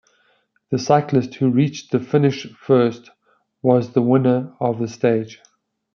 The cyclist who reached the finish first, was the winner of the stage.